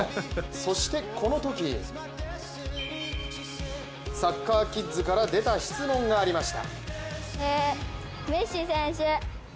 そしてこのとき、サッカーキッズから出た質問がありました。